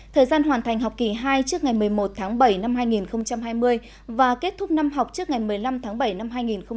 thời gian hoàn thành học kỳ hai trước ngày một mươi một tháng bảy năm hai nghìn hai mươi và kết thúc năm học trước ngày một mươi năm tháng bảy năm hai nghìn hai mươi